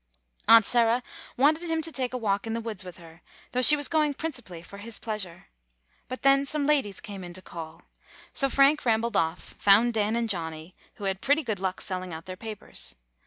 Aunt Sarah wanted him to take a walk in the woods with her, though she was going princi pally for his pleasure. But then some ladies came in to call. So Frank rambled off, found Dan and Johnny, who had pretty good luck selling out their papers.